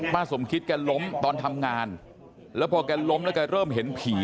ป้าสมคิดกันล้มตอนทำงานแล้วพอกันล้มแล้วก็เริ่มเห็นผี